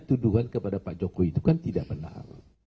tuduhan kepada pak jokowi itu kan tidak benar